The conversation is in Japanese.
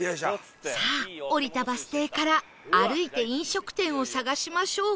さあ降りたバス停から歩いて飲食店を探しましょう